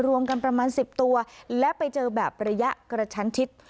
รวมกันประมาณ๑๐ตัวและไปเจอแบบระยะกระชั้นชิด